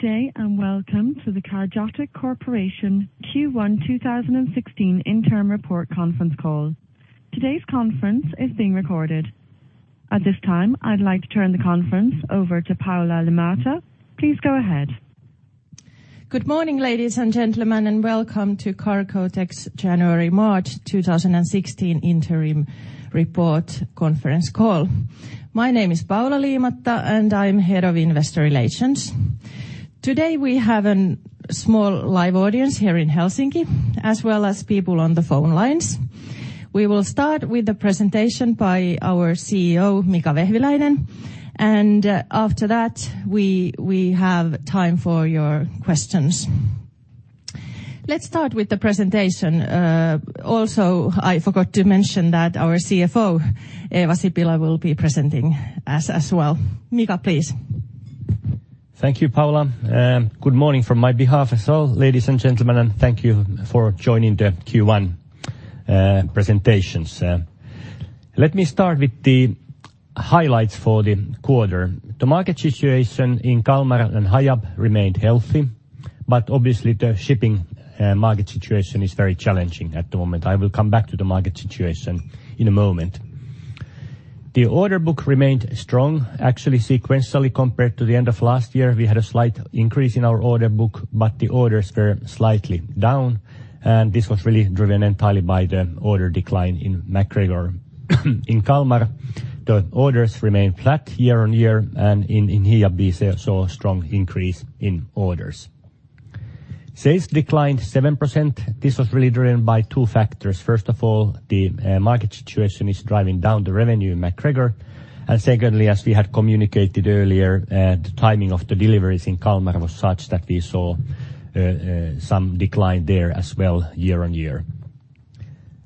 Good day. Welcome to the Cargotec Corporation Q1 2016 Interim Report Conference Call. Today's conference is being recorded. At this time, I'd like to turn the conference over to Paula Liimatta. Please go ahead. Good morning, ladies and gentlemen, welcome to Cargotec's January-March 2016 interim report conference call. My name is Paula Liimatta, I'm Head of Investor Relations. Today, we have a small live audience here in Helsinki, as well as people on the phone lines. We will start with the presentation by our CEO, Mika Vehviläinen, after that, we have time for your questions. Let's start with the presentation. Also, I forgot to mention that our CFO, Eeva Sipilä, will be presenting as well. Mika, please. Thank you, Paula. Good morning from my behalf as well, ladies and gentlemen. Thank you for joining the Q1 presentations. Let me start with the highlights for the quarter. The market situation in Kalmar and Hiab remained healthy, but obviously the shipping market situation is very challenging at the moment. I will come back to the market situation in a moment. The order book remained strong. Actually, sequentially, compared to the end of last year, we had a slight increase in our order book, but the orders were slightly down. This was really driven entirely by the order decline in MacGregor. In Kalmar, the orders remained flat year-on-year, and in Hiab, we saw a strong increase in orders. Sales declined 7%. This was really driven by two factors. First of all, the market situation is driving down the revenue in MacGregor. Secondly, as we had communicated earlier, the timing of the deliveries in Kalmar was such that we saw some decline there as well year-on-year.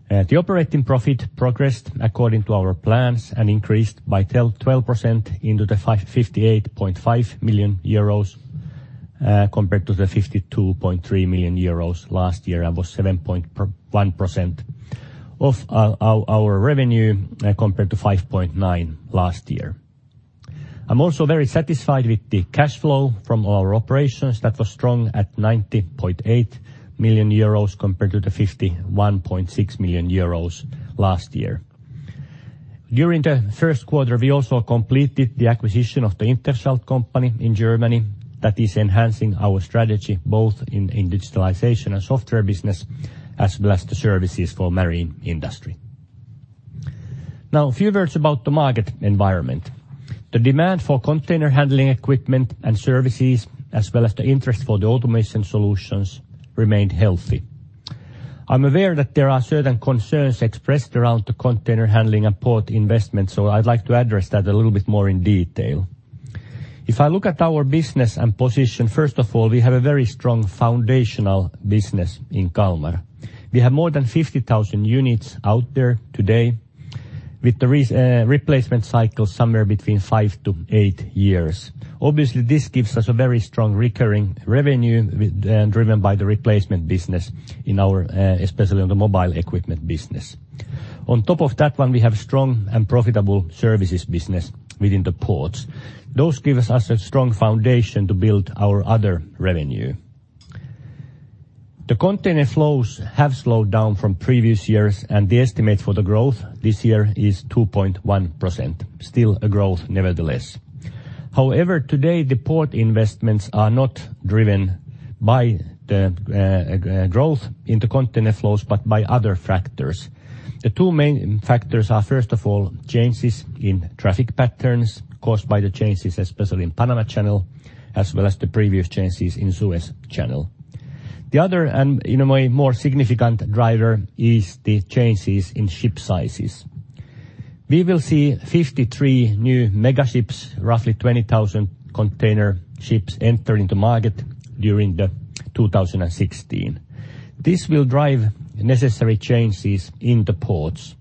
The operating profit progressed according to our plans and increased by 12% into 58.5 million euros, compared to 52.3 million euros last year and was 7.1% of our revenue, compared to 5.9% last year. I'm also very satisfied with the cash flow from our operations. That was strong at 90.8 million euros compared to 51.6 million euros last year. During the first quarter, we also completed the acquisition of the INTERSCHALT company in Germany that is enhancing our strategy both in digitalization and software business as well as the services for marine industry. Now, a few words about the market environment. The demand for container handling equipment and services as well as the interest for the automation solutions remained healthy. I'm aware that there are certain concerns expressed around the container handling and port investment, so I'd like to address that a little bit more in detail. If I look at our business and position, first of all, we have a very strong foundational business in Kalmar. We have more than 50,000 units out there today with the replacement cycle somewhere between five to eight years. Obviously, this gives us a very strong recurring revenue and driven by the replacement business in our, especially on the mobile equipment business. On top of that one, we have strong and profitable services business within the ports. Those gives us a strong foundation to build our other revenue. The container flows have slowed down from previous years. The estimate for the growth this year is 2.1%, still a growth nevertheless. However, today the port investments are not driven by the growth in the container flows but by other factors. The two main factors are, first of all, changes in traffic patterns caused by the changes, especially in Panama Channel, as well as the previous changes in Suez Channel. The other and in a way more significant driver is the changes in ship sizes. We will see 53 new mega ships, roughly 20,000 container ships enter into market during 2016. This will drive necessary changes in the ports.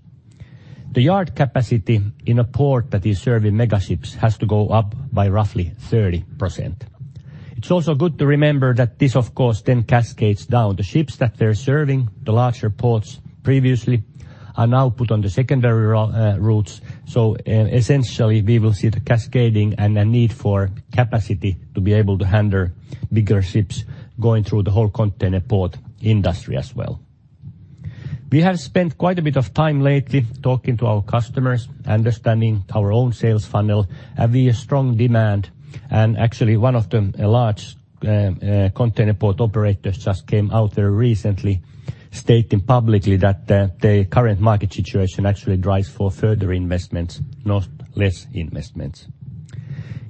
The yard capacity in a port that is serving mega ships has to go up by roughly 30%. It's also good to remember that this of course then cascades down. The ships that they're serving, the larger ports previously are now put on the secondary routes. Essentially, we will see the cascading and a need for capacity to be able to handle bigger ships going through the whole container port industry as well. We have spent quite a bit of time lately talking to our customers, understanding our own sales funnel and the strong demand. Actually, one of the large container port operators just came out there recently stating publicly that the current market situation actually drives for further investments, not less investments.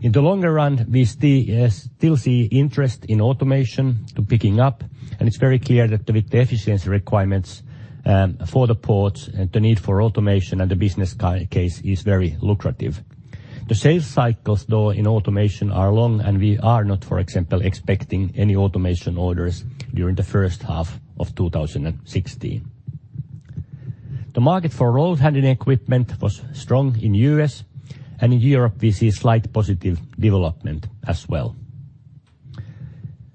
In the longer run, we still see interest in automation picking up. It's very clear that with the efficiency requirements for the ports and the need for automation, the business case is very lucrative. The sales cycles, though, in automation are long. We are not, for example, expecting any automation orders during the first half of 2016. The market for road handling equipment was strong in U.S. In Europe we see slight positive development as well.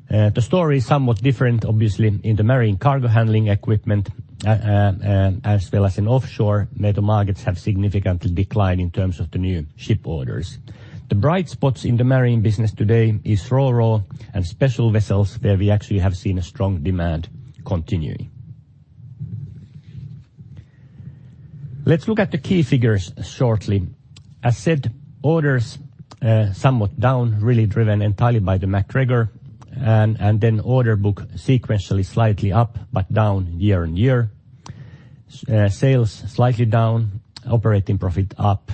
The story is somewhat different, obviously, in the marine cargo handling equipment, as well as in offshore metal markets have significantly declined in terms of the new ship orders. The bright spots in the marine business today is RoRo and special vessels, where we actually have seen a strong demand continuing. Let's look at the key figures shortly. As said, orders, somewhat down, really driven entirely by MacGregor, and then order book sequentially slightly up, but down year-on-year. Sales slightly down, operating profit up.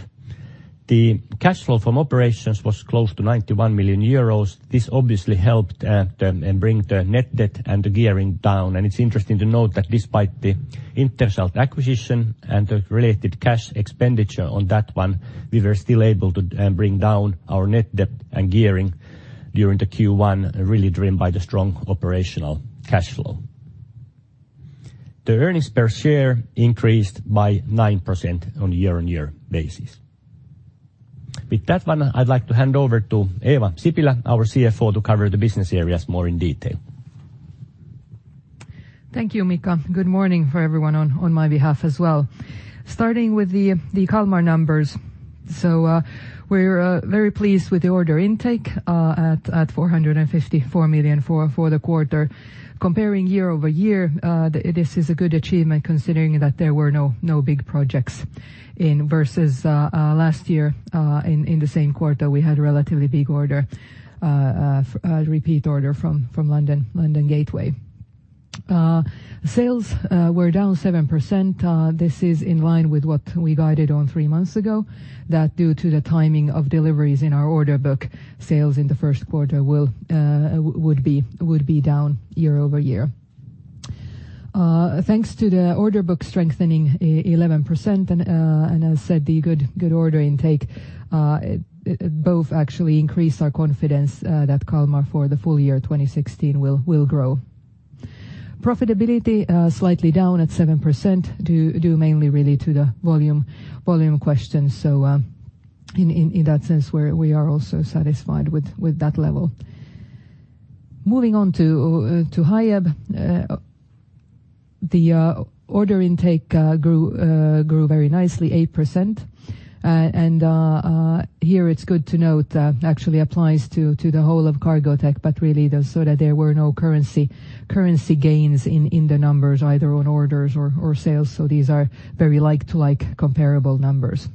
The cash flow from operations was close to 91 million euros. This obviously helped in bring the net debt and the gearing down. It's interesting to note that despite the INTERSCHALT acquisition and the related cash expenditure on that one, we were still able to bring down our net debt and gearing during the Q1, really driven by the strong operational cash flow. The earnings per share increased by 9% on a year-on-year basis. With that one, I'd like to hand over to Eeva Sipilä, our CFO, to cover the business areas more in detail. Thank you, Mika. Good morning for everyone on my behalf as well. Starting with the Kalmar numbers. We're very pleased with the order intake at 454 million for the quarter. Comparing year-over-year, this is a good achievement considering that there were no big projects versus last year. In the same quarter, we had a relatively big repeat order from London Gateway. Sales were down 7%. This is in line with what we guided on three months ago. That due to the timing of deliveries in our order book, sales in the would be down year-over-year. Thanks to the order book strengthening 11%, and as said, the good order intake, both actually increase our confidence that Kalmar for the full year 2016 will grow. Profitability, slightly down at 7% due mainly really to the volume question. In that sense, we are also satisfied with that level. Moving on to Hiab. The order intake grew very nicely, 8%. Here it's good to note, actually applies to the whole of Cargotec, but really that there were no currency gains in the numbers either on orders or sales. These are very like-to-like comparable numbers.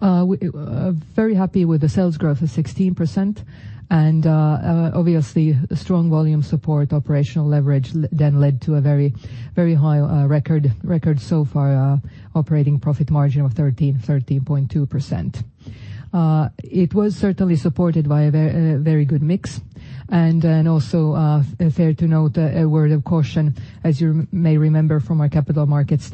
Very happy with the sales growth of 16%. Obviously, strong volume support operational leverage then led to a very, very high record so far operating profit margin of 13.2%. It was certainly supported by a very good mix. Also, fair to note a word of caution, as you may remember from our capital markets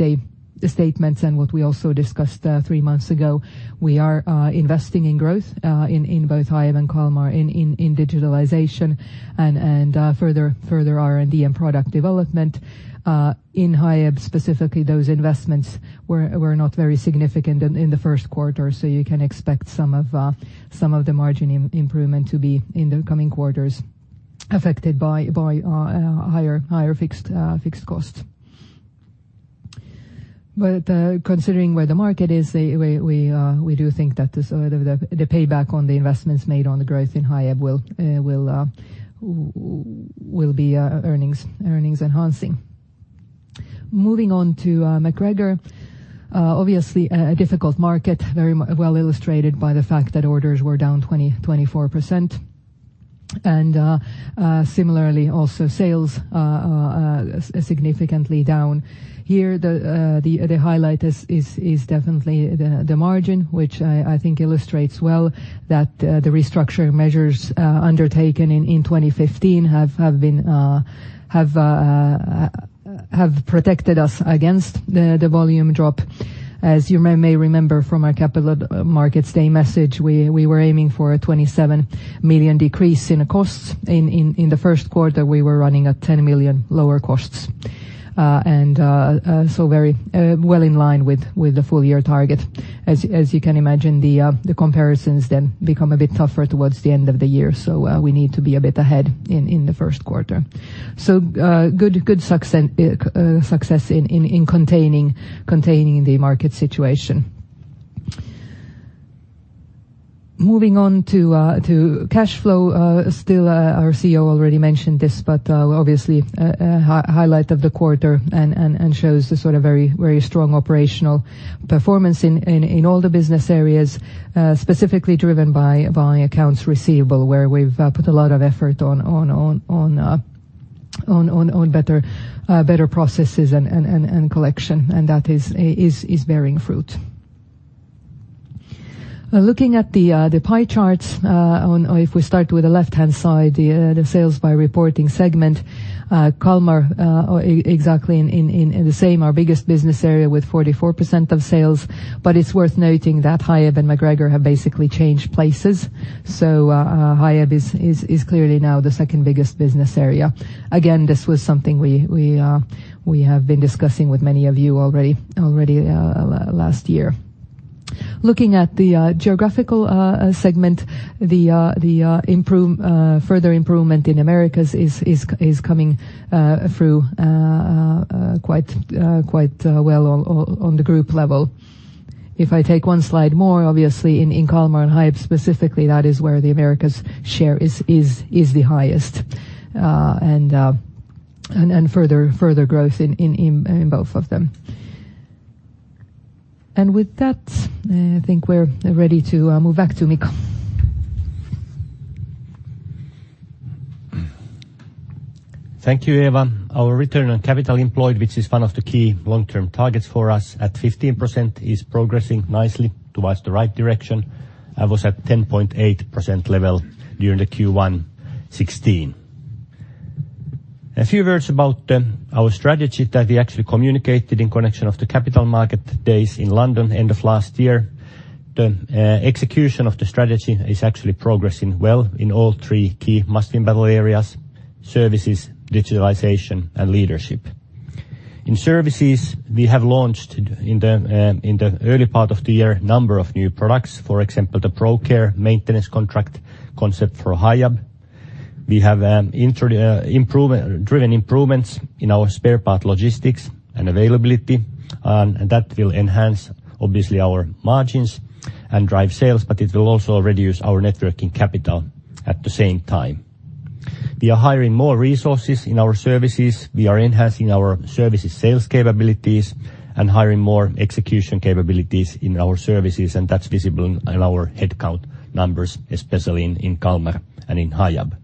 statements and what we also discussed three months ago. We are investing in growth in both Hiab and Kalmar in digitalization and further R&D and product development. In Hiab, specifically, those investments were not very significant in the Q1, so you can expect some of the margin improvement to be in the coming quarters affected by higher fixed costs. Considering where the market is, we do think that the, sort of, the payback on the investments made on the growth in Hiab will be earnings enhancing. Moving on to MacGregor. Obviously a difficult market, very well illustrated by the fact that orders were down 24%. Similarly also sales are significantly down. Here the highlight is definitely the margin, which I think illustrates well that the restructuring measures undertaken in 2015 have protected us against the volume drop. As you may remember from our Capital Markets Day message, we were aiming for a 27 million decrease in costs. In the Q1, we were running at 10 million lower costs. Very well in line with the full-year target. As you can imagine, the comparisons become a bit tougher towards the end of the year. We need to be a bit ahead in the first quarter. Good success in containing the market situation. Moving on to cash flow. Still our CEO already mentioned this, obviously a highlight of the quarter and shows the sort of very strong operational performance in all the business areas, specifically driven by accounts receivable, where we've put a lot of effort on better processes and collection, and that is bearing fruit. Looking at the pie charts, if we start with the left-hand side, the sales by reporting segment, Kalmar, exactly in the same, our biggest business area with 44% of sales. It's worth noting that Hiab and MacGregor have basically changed places. Hiab is clearly now the second biggest business area. Again, this was something we have been discussing with many of you already last year. Looking at the geographical segment, the further improvement in Americas is coming through quite well on the group level. If I take one slide more, obviously in Kalmar and Hiab specifically, that is where the Americas share is the highest, and further growth in both of them. With that, I think we're ready to move back to Mika. Thank you, Eeva. Our return on capital employed, which is one of the key long-term targets for us at 15%, is progressing nicely towards the right direction and was at 10.8% level during the Q1 2016. A few words about our strategy that we actually communicated in connection of the Capital Market days in London end of 2015. The execution of the strategy is actually progressing well in all three key must-win battle areas: services, digitalization, and leadership. In services, we have launched in the early part of the year, number of new products, for example, the ProCare maintenance contract concept for Hiab. We have driven improvements in our spare part logistics and availability, and that will enhance obviously our margins and drive sales, but it will also reduce our networking capital at the same time. We are hiring more resources in our services. We are enhancing our services sales capabilities and hiring more execution capabilities in our services, and that's visible in our headcount numbers, especially in Kalmar and in Hiab. We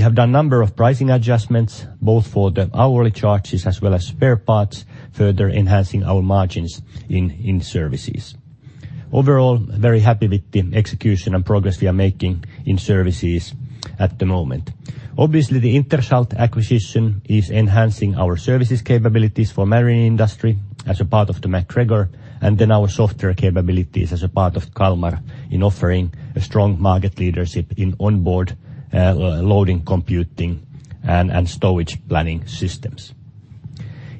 have done number of pricing adjustments, both for the hourly charges as well as spare parts, further enhancing our margins in services. Overall, very happy with the execution and progress we are making in services at the moment. Obviously, the INTERSCHALT acquisition is enhancing our services capabilities for marine industry as a part of the MacGregor, and then our software capabilities as a part of Kalmar in offering a strong market leadership in onboard loading computer and stowage planning systems.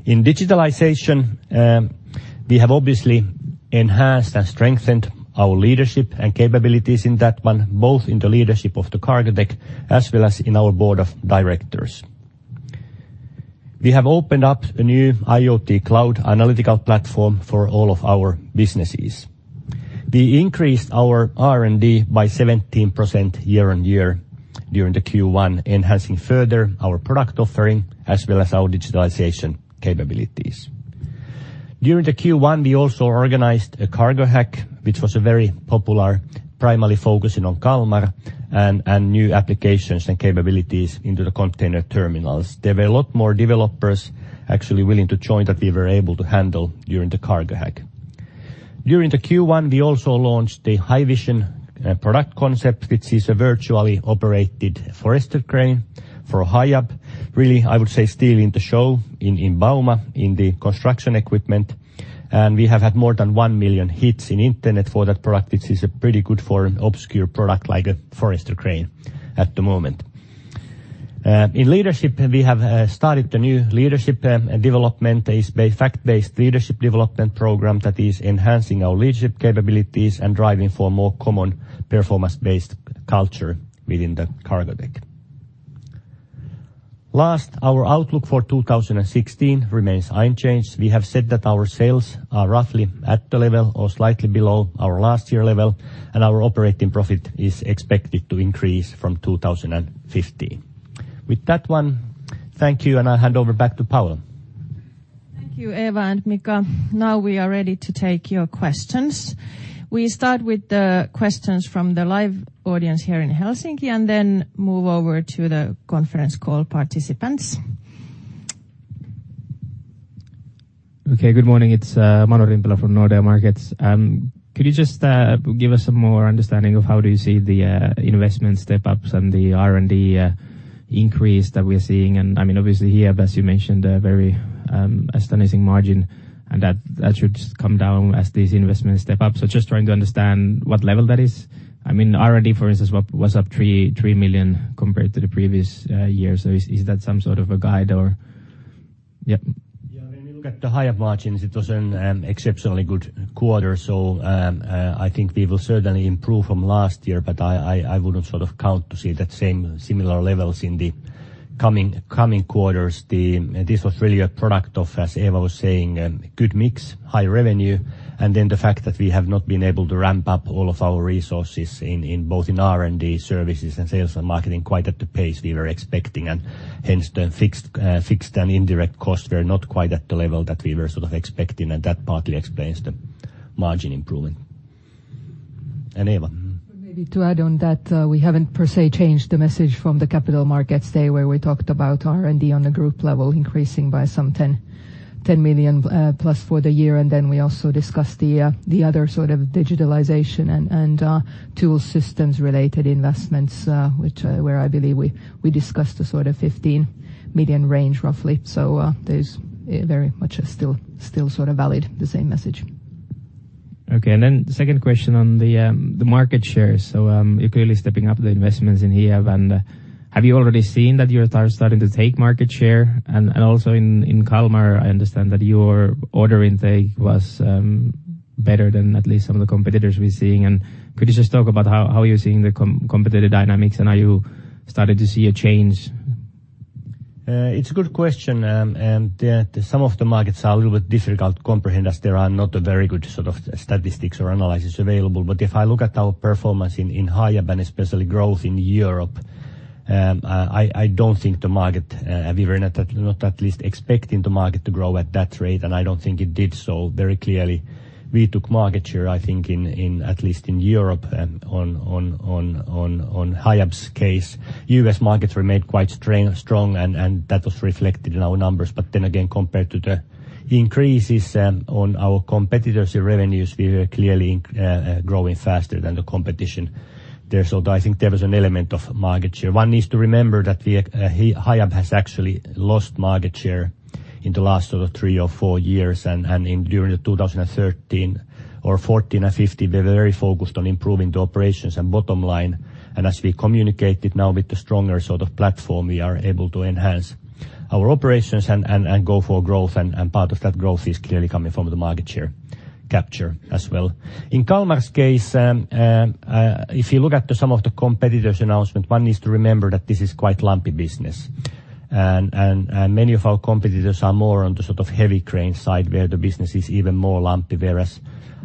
In digitalization, we have obviously enhanced and strengthened our leadership and capabilities in that one, both in the leadership of the Cargotec as well as in our board of directors. We have opened up a new IoT cloud analytical platform for all of our businesses. We increased our R&D by 17% year on year during the Q1, enhancing further our product offering as well as our digitalization capabilities. During the Q1, we also organized a CargoHack, which was a very popular primarily focusing on Kalmar and new applications and capabilities into the container terminals. There were a lot more developers actually willing to join that we were able to handle during the CargoHack. During the Q1, we also launched the HiVision product concept, which is a virtually operated forestry crane for Hiab. Really, I would say, still in the show in Bauma, in the construction equipment. We have had more than 1,000,000 hits in internet for that product. This is a pretty good for obscure product like a forestry crane at the moment. In leadership, we have started the new leadership development is a fact-based leadership development program that is enhancing our leadership capabilities and driving for more common performance-based culture within the Cargotec. Our outlook for 2016 remains unchanged. We have said that our sales are roughly at the level or slightly below our last year level, and our operating profit is expected to increase from 2015. With that one, thank you. I'll hand over back to Paul. Thank you, Eeva and Mika. Now we are ready to take your questions. We start with the questions from the live audience here in Helsinki and then move over to the conference call participants. Okay. Good morning. It's Manu Rimpelä from Nordea Markets. Could you just give us some more understanding of how do you see the investment step-ups and the R&D increase that we're seeing? I mean, obviously here, as you mentioned, a very astonishing margin, and that should come down as these investments step up. Just trying to understand what level that is. I mean, R&D, for instance, was up 3 million compared to the previous year. Is that some sort of a guide or? Yeah. Yeah. When you look at the higher margins, it was an exceptionally good quarter. I think we will certainly improve from last year, but I wouldn't sort of count to see that same similar levels in the coming quarters. This was really a product of, as Eeva was saying, good mix, high revenue, and then the fact that we have not been able to ramp up all of our resources in both in R&D services and sales and marketing quite at the pace we were expecting. Hence the fixed and indirect costs were not quite at the level that we were sort of expecting, and that partly explains the margin improvement. Eeva. Maybe to add on that, we haven't per se changed the message from the Capital Markets Day where we talked about R&D on a group level increasing by some 10 million, plus for the year. We also discussed the other sort of digitalization and tool systems related investments, where I believe we discussed the sort of 15 million range roughly. There's very much still sort of valid the same message. Okay. The second question on the market share. You're clearly stepping up the investments in here. Have you already seen that you are starting to take market share? Also in Kalmar, I understand that your order intake was- Better than at least some of the competitors we're seeing. Could you just talk about how you're seeing the competitor dynamics and are you starting to see a change? It's a good question. The some of the markets are a little bit difficult to comprehend as there are not a very good sort of statistics or analysis available. If I look at our performance in Hiab and especially growth in Europe, I don't think the market, we were not at least expecting the market to grow at that rate, and I don't think it did so very clearly. We took market share, I think in at least in Europe and on Hiab's case. U.S. markets remained quite strong and that was reflected in our numbers. Then again, compared to the increases on our competitors' revenues, we were clearly growing faster than the competition there. I think there was an element of market share. One needs to remember that we Hiab has actually lost market share in the last sort of three or four years and in during the 2013 or 2014 and 2015, we were very focused on improving the operations and bottom line. As we communicated now with the stronger sort of platform, we are able to enhance our operations and go for growth. Part of that growth is clearly coming from the market share capture as well. In Kalmar's case, if you look at the some of the competitors' announcement, one needs to remember that this is quite lumpy business. Many of our competitors are more on the sort of heavy crane side where the business is even more lumpy.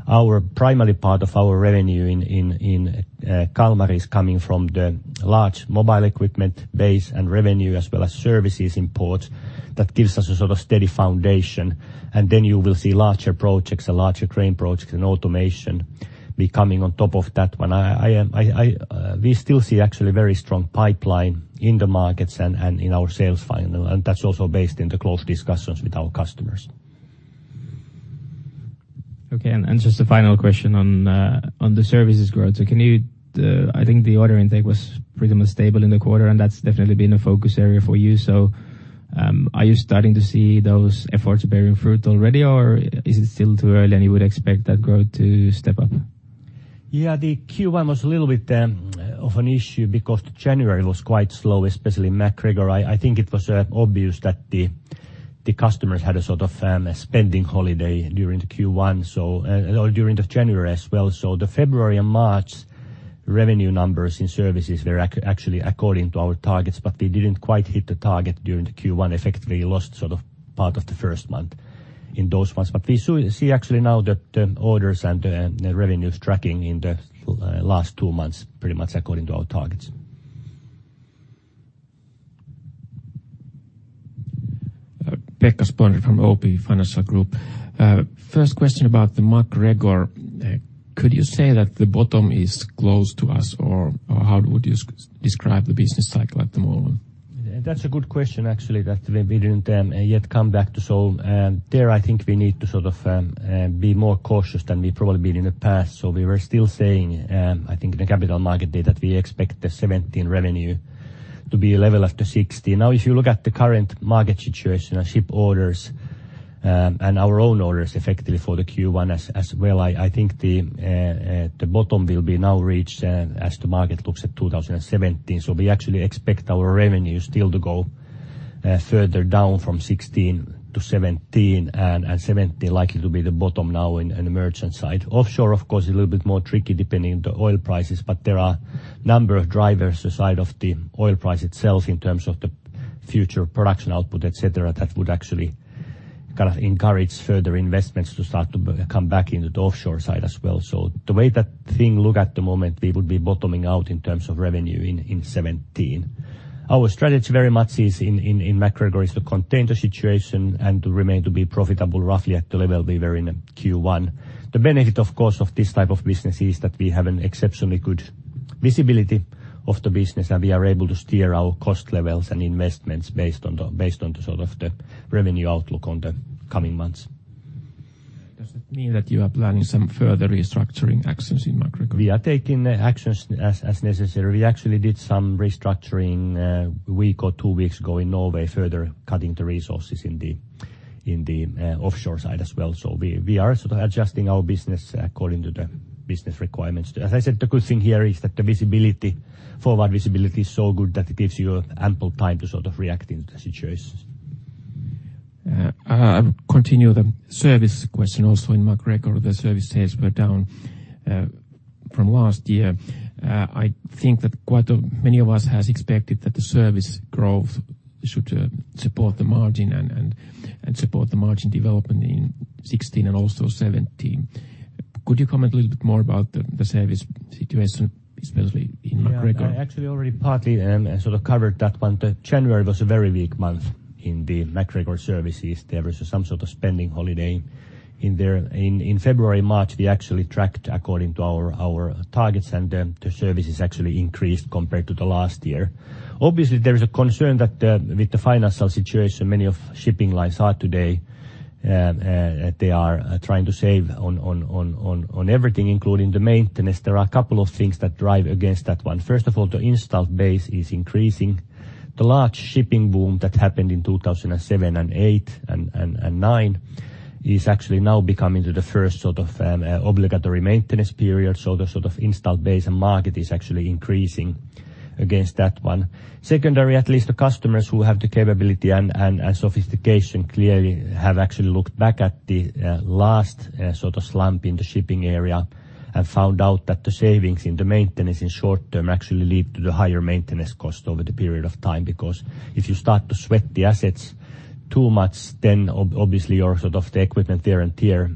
Our primary part of our revenue in Kalmar is coming from the large mobile equipment base and revenue as well as services in port. That gives us a sort of steady foundation. You will see larger projects and larger crane projects and automation be coming on top of that one. I, we still see actually very strong pipeline in the markets and in our sales funnel, and that's also based in the close discussions with our customers. Okay. Just a final question on the services growth. I think the order intake was pretty much stable in the quarter, and that's definitely been a focus area for you. Are you starting to see those efforts bearing fruit already, or is it still too early and you would expect that growth to step up? The Q1 was a little bit of an issue because January was quite slow, especially MacGregor. I think it was obvious that the customers had a sort of a spending holiday during the Q1, or during the January as well. The February and March revenue numbers in services were actually according to our targets, but we didn't quite hit the target during the Q1, effectively lost sort of part of the first month in those months. We see actually now that orders and the revenues tracking in the last two months pretty much according to our targets. Pekka Spolander from OP Financial Group. First question about the MacGregor. Could you say that the bottom is close to us, or how would you describe the business cycle at the moment? That's a good question actually that we didn't yet come back to solve. There, I think we need to sort of be more cautious than we've probably been in the past. We were still saying, I think in the Capital Markets Day that we expect the 2017 revenue to be level after 2016. If you look at the current market situation and ship orders, and our own orders effectively for the Q1 as well, I think the bottom will be now reached as the market looks at 2017. We actually expect our revenue still to go further down from 2016 to 2017 and 2017 likely to be the bottom now in the merchant side. Offshore, of course, a little bit more tricky depending on the oil prices, but there are number of drivers aside of the oil price itself in terms of the future production output, et cetera, that would actually kind of encourage further investments to start to come back into the offshore side as well. The way that thing look at the moment, we would be bottoming out in terms of revenue in 2017. Our strategy very much is in MacGregor to contain the situation and to remain to be profitable roughly at the level we were in Q1. The benefit of course, of this type of business is that we have an exceptionally good visibility of the business, and we are able to steer our cost levels and investments based on the sort of the revenue outlook on the coming months. Does that mean that you are planning some further restructuring actions in MacGregor? We are taking actions as necessary. We actually did some restructuring one week or two weeks ago in Norway, further cutting the resources in the offshore side as well. We are sort of adjusting our business according to the business requirements. As I said, the good thing here is that the visibility, forward visibility is so good that it gives you ample time to sort of react into the situations. Continue the service question also in MacGregor. The service sales were down from last year. I think that quite a many of us has expected that the service growth should support the margin and support the margin development in 2016 and also 2017. Could you comment a little bit more about the service situation, especially in MacGregor? I actually already partly sort of covered that one. The January was a very weak month in the MacGregor services. There was some sort of spending holiday in there. In February, March, we actually tracked according to our targets, and the services actually increased compared to the last year. Obviously, there is a concern that with the financial situation many of shipping lines are today, they are trying to save on everything including the maintenance. There are a couple of things that drive against that one. First of all, the installed base is increasing. The large shipping boom that happened in 2007 and 2008 and 2009 is actually now becoming to the first sort of obligatory maintenance period. The sort of installed base and market is actually increasing against that one. Secondary, at least the customers who have the capability and sophistication clearly have actually looked back at the last sort of slump in the shipping area and found out that the savings in the maintenance in short term actually lead to the higher maintenance cost over the period of time. If you start to sweat the assets too much, then obviously your sort of the equipment wear and tear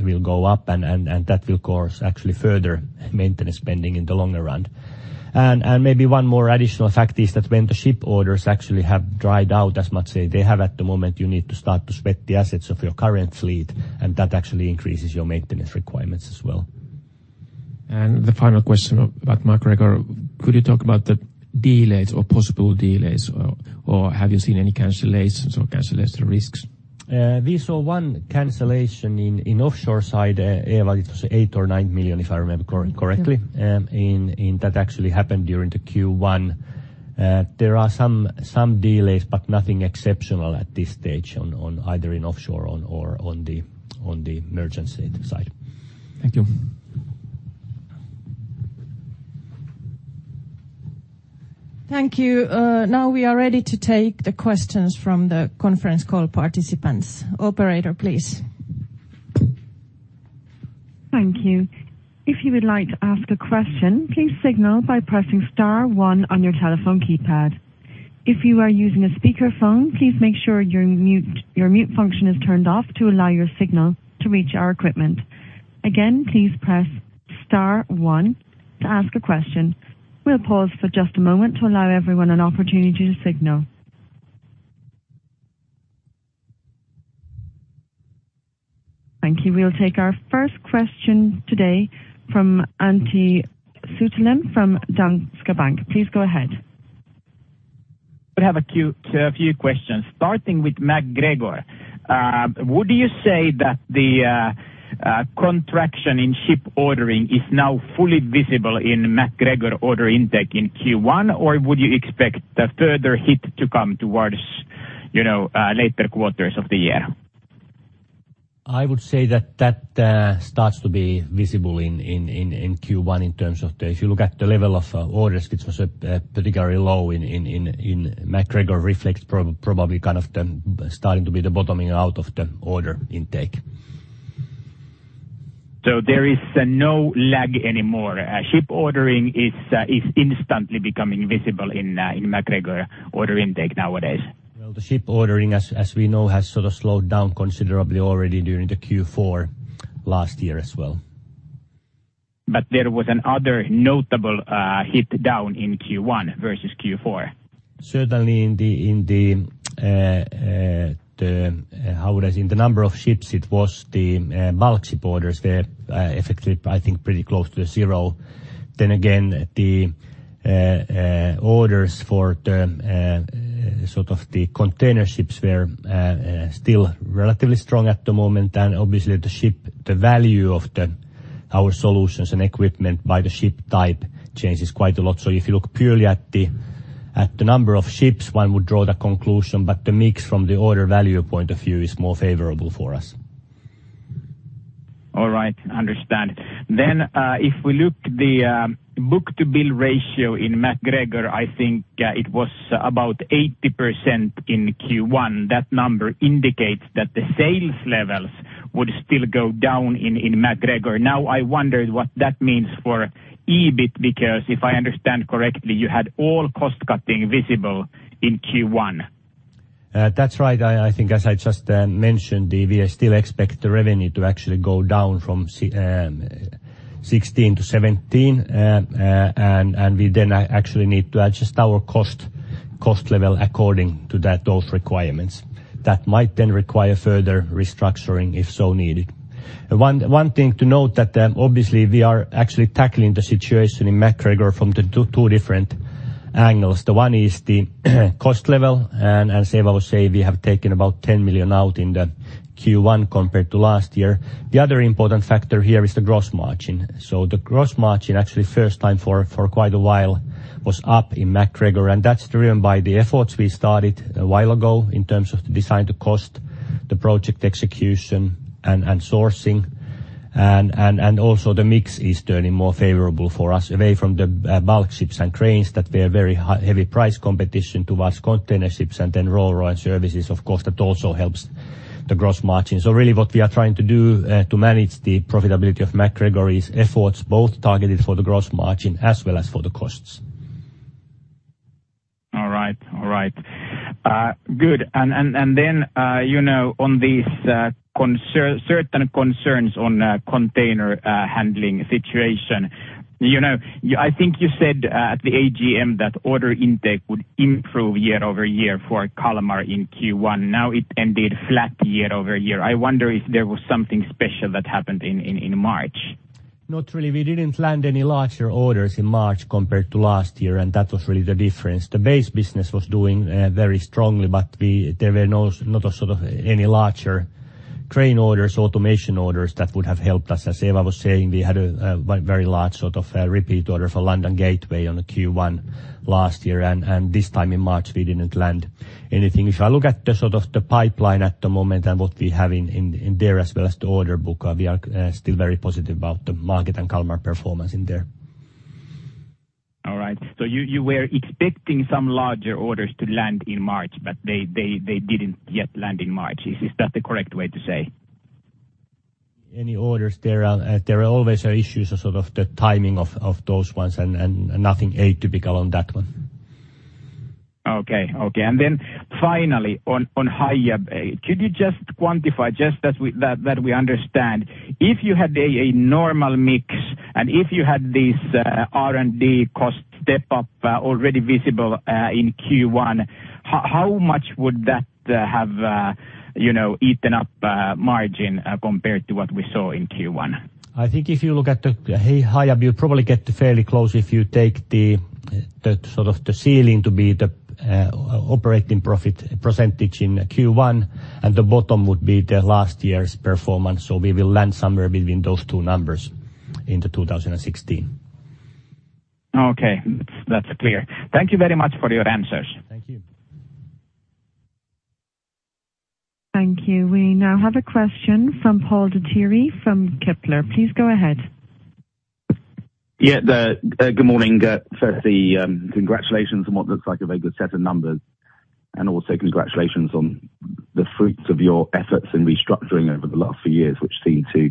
will go up and that will cause actually further maintenance spending in the longer run. Maybe one more additional fact is that when the ship orders actually have dried out as much as they have at the moment, you need to start to sweat the assets of your current fleet, and that actually increases your maintenance requirements as well. The final question about MacGregor. Could you talk about the delays or possible delays, or have you seen any cancellations or cancellation risks? We saw one cancellation in offshore side, Eeva it was 8 or 9 million, if I remember correctly. That actually happened during the Q1. There are some delays, but nothing exceptional at this stage on either in offshore or on the merchant side. Thank you. Thank you. Now we are ready to take the questions from the conference call participants. Operator, please. Thank you. If you would like to ask a question, please signal by pressing star one on your telephone keypad. If you are using a speaker phone, please make sure your mute function is turned off to allow your signal to reach our equipment. Again, please press star one to ask a question. We'll pause for just a moment to allow everyone an opportunity to signal. Thank you. We'll take our first question today from Antti Sutila from Danske Bank. Please go ahead. We have a few questions starting with MacGregor. Would you say that the contraction in ship ordering is now fully visible in MacGregor order intake in Q1? Or would you expect a further hit to come towards, you know, later quarters of the year? I would say that that starts to be visible in Q1 in terms of if you look at the level of orders, which was particularly low in MacGregor reflects probably kind of the starting to be the bottoming out of the order intake. There is no lag anymore. Ship ordering is instantly becoming visible in MacGregor order intake nowadays. Well, the ship ordering as we know, has sort of slowed down considerably already during the Q4 last year as well. There was another notable hit down in Q1 versus Q4. Certainly in the, how would I say, the number of ships, it was bulk ship orders were affected, I think pretty close to zero. Again, orders for the sort of the container ships were still relatively strong at the moment. Obviously the value of our solutions and equipment by the ship type changes quite a lot. If you look purely at the number of ships, one would draw the conclusion, but the mix from the order value point of view is more favorable for us. All right. Understand. If we look the book-to-bill ratio in MacGregor, I think it was about 80% in Q1. That number indicates that the sales levels would still go down in MacGregor. Now, I wondered what that means for EBIT, because if I understand correctly, you had all cost cutting visible in Q1. That's right. I think as I just mentioned, we still expect the revenue to actually go down from 2016 to 2017. We then actually need to adjust our cost level according to those requirements. That might then require further restructuring if so needed. One thing to note that, obviously we are actually tackling the situation in MacGregor from the two different angles. The one is the cost level, and as Eeva was saying, we have taken about 10 million out in the Q1 compared to last year. The other important factor here is the gross margin. The gross margin, actually first time for quite a while was up in MacGregor, and that's driven by the efforts we started a while ago in terms of design-to-cost, the project execution and sourcing. Also the mix is turning more favorable for us away from the bulk ships and cranes that were very high, heavy price competition towards container ships and then roll services of course that also helps the gross margin. Really what we are trying to do to manage the profitability of MacGregor is efforts both targeted for the gross margin as well as for the costs. All right. All right. Good. You know, on these certain concerns on container handling situation. You know, I think you said at the AGM that order intake would improve year-over-year for Kalmar in Q1. Now it ended flat year-over-year. I wonder if there was something special that happened in March. Not really. We didn't land any larger orders in March compared to last year. That was really the difference. The base business was doing very strongly. There were no, not a sort of any larger crane orders, automation orders that would have helped us. As Eeva was saying, we had a very large sort of repeat order for London Gateway on the Q1 last year. This time in March, we didn't land anything. If I look at the sort of the pipeline at the moment and what we have in there as well as the order book, we are still very positive about the market and Kalmar performance in there. All right. You were expecting some larger orders to land in March, but they didn't yet land in March. Is that the correct way to say? Any orders there are, there are always are issues of sort of the timing of those ones and nothing atypical on that one. Okay. Okay. finally on Hiab, could you just quantify just that we understand, if you had a normal mix and if you had this R&D cost step up already visible in Q1, how much would that have, you know, eaten up margin compared to what we saw in Q1? I think if you look at the Hiab, you probably get fairly close if you take the sort of the ceiling to be the operating profit percentage in Q1 and the bottom would be the last year's performance. We will land somewhere between those two numbers into 2016. Okay. That's clear. Thank you very much for your answers. Thank you. Thank you. We now have a question from Paul de Drée from Kepler. Please go ahead. Yeah. Good morning. Firstly, congratulations on what looks like a very good set of numbers, and also congratulations on the fruits of your efforts in restructuring over the last few years, which seem to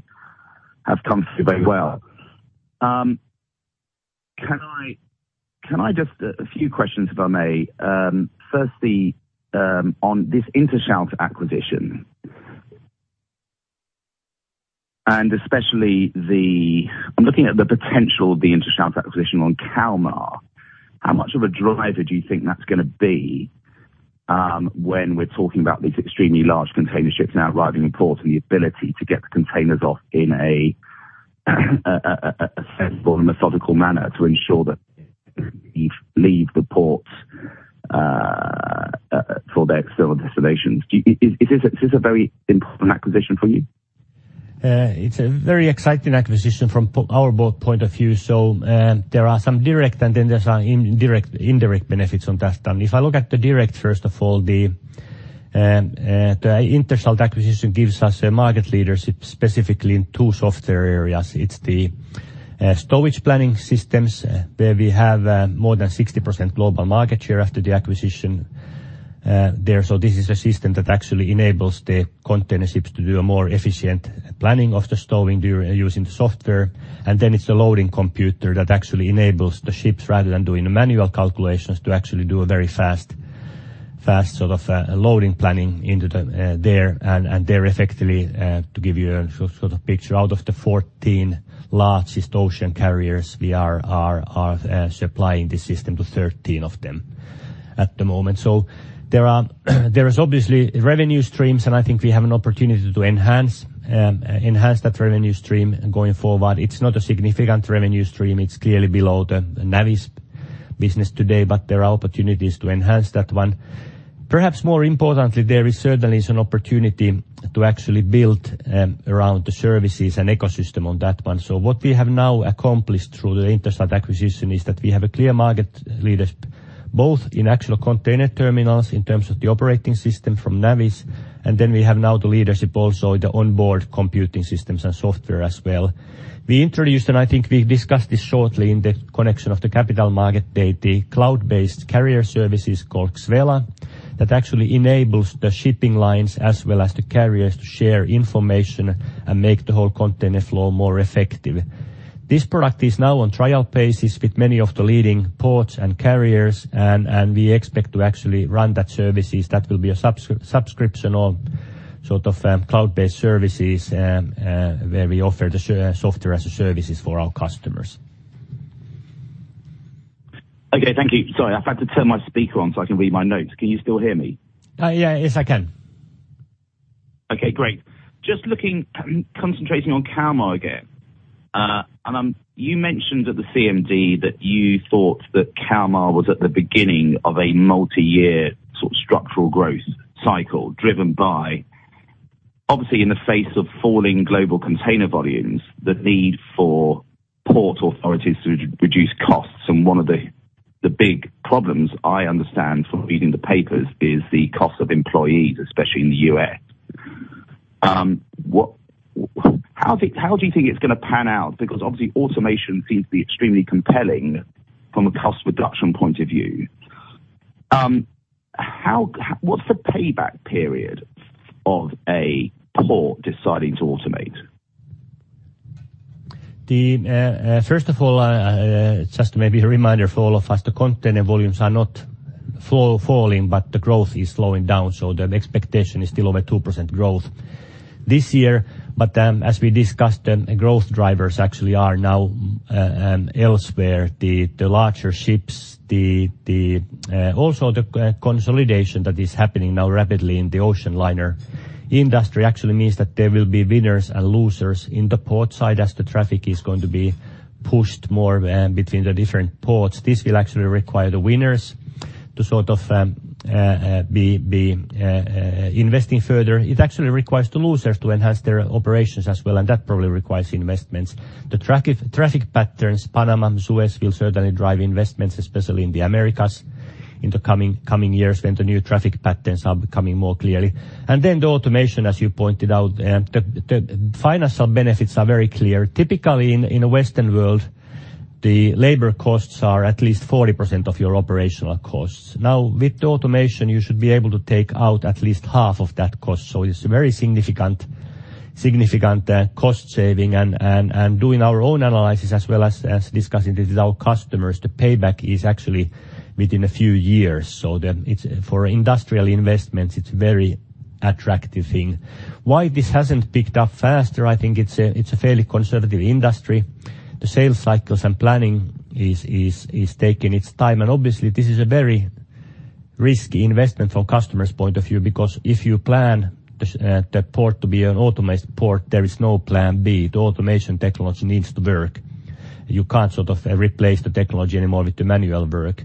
have come through very well. Can I just a few questions, if I may. Firstly, on this Interschalt acquisition. Especially, I'm looking at the potential of the Interschalt acquisition on Kalmar. How much of a driver do you think that's gonna be when we're talking about these extremely large container ships now arriving in port and the ability to get the containers off in a sensible and methodical manner to ensure that they leave the ports for their external destinations? Is this a very important acquisition for you? It's a very exciting acquisition from our point of view. There are some direct and then there's indirect benefits on that one. If I look at the direct, first of all, the Interschalt acquisition gives us a market leadership, specifically in two software areas. It's the stowage planning systems, where we have more than 60% global market share after the acquisition there. This is a system that actually enables the container ships to do a more efficient planning of the stowing using the software. It's the loading computer that actually enables the ships, rather than doing the manual calculations, to actually do a very fast sort of loading planning into the there. They're effectively, to give you a sort of picture, out of the 14 largest ocean carriers, we are supplying the system to 13 of them at the moment. There is obviously revenue streams, and I think we have an opportunity to enhance that revenue stream going forward. It's not a significant revenue stream. It's clearly below the Navis business today, but there are opportunities to enhance that one. Perhaps more importantly, there is certainly an opportunity to actually build around the services and ecosystem on that one. What we have now accomplished through the INTERSCHALT acquisition is that we have a clear market leadership, both in actual container terminals in terms of the operating system from Navis, and then we have now the leadership also in the onboard computing systems and software as well. We introduced, I think we discussed this shortly in the connection of the Capital Markets Day, the cloud-based carrier services called XVELA, that actually enables the shipping lines as well as the carriers to share information and make the whole container flow more effective. This product is now on trial basis with many of the leading ports and carriers and we expect to actually run that services. That will be a subscription on sort of cloud-based services where we offer the software as a services for our customers. Okay. Thank you. Sorry. I've had to turn my speaker on so I can read my notes. Can you still hear me? Yeah. Yes, I can. Okay, great. Just looking, concentrating on Kalmar again. You mentioned at the CMD that you thought that Kalmar was at the beginning of a multi-year sort of structural growth cycle, driven by, obviously in the face of falling global container volumes, the need for port authorities to re-reduce costs. One of the big problems I understand from reading the papers is the cost of employees, especially in the U.S. What, how is it, how do you think it's gonna pan out? Because obviously automation seems to be extremely compelling from a cost reduction point of view. What's the payback period of a port deciding to automate? First of all, just maybe a reminder for all of us, the container volumes are not falling, but the growth is slowing down. The expectation is still over 2% growth this year. As we discussed, growth drivers actually are now elsewhere. The larger ships, the also the consolidation that is happening now rapidly in the ocean liner industry actually means that there will be winners and losers in the port side as the traffic is going to be pushed more between the different ports. This will actually require the winners to sort of be investing further. It actually requires the losers to enhance their operations as well, and that probably requires investments. The traffic patterns, Panama and Suez will certainly drive investments, especially in the Americas in the coming years when the new traffic patterns are becoming more clearly. Then the automation, as you pointed out, the financial benefits are very clear. Typically, in the Western world, the labor costs are at least 40% of your operational costs. Now, with automation, you should be able to take out at least half of that cost. It's a very significant cost saving and doing our own analysis as well as discussing this with our customers, the payback is actually within a few years. The. It's for industrial investments, it's very attractive thing. Why this hasn't picked up faster, I think it's a fairly conservative industry. The sales cycles and planning is taking its time. Obviously this is a very risky investment from customers' point of view, because if you plan the port to be an automated port, there is no plan B. The automation technology needs to work. You can't sort of replace the technology anymore with the manual work.